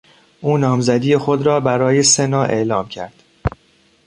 او نامزدی خود را برای سنا اعلام کرد.